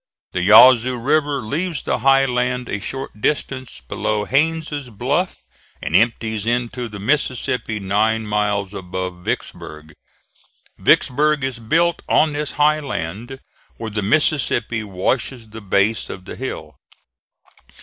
The Yazoo River leaves the high land a short distance below Haines' Bluff and empties into the Mississippi nine miles above Vicksburg. Vicksburg is built on this high land where the Mississippi washes the base of the hill.